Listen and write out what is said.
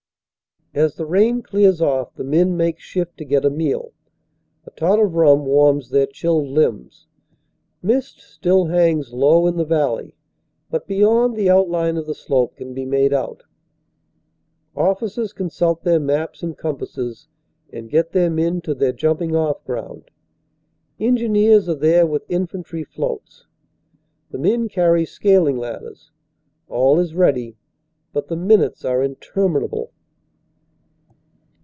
As the rain clears off the men make shift to get a meal. A tot of rum warms their chilled limbs. Mist still hangs low in the valley, but beyond the outline of the slope can be made out. Officers consult their maps and compasses and get their men to their jumping off ground. Engineers are there with infantry floats. The men carry scaling ladders. All is ready, but the minutes are interminable.